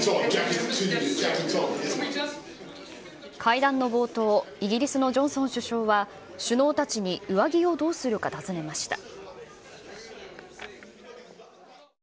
会談の冒頭、イギリスのジョンソン首相は、首脳たちに上着をどうするか尋ねました。